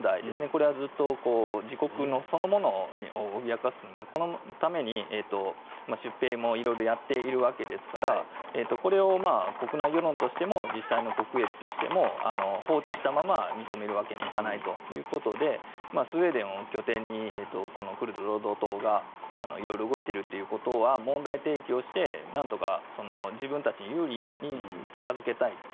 これは自国そのものを脅かすもので、このために出兵も色々やっているわけですからこれを国内世論としても実際の国益としても放置したまま認めるわけにはいかないということでスウェーデンを拠点にこのクルド労働者党が色々動いているということは問題提起をしてなんとか自分たちに有利に近付けたいと。